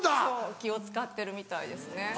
そう気を使ってるみたいですね。